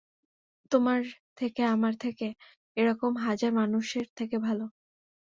তোমার থেকে, আমার থেকে, এরকম হাজার মানুষের থেকে ভালো।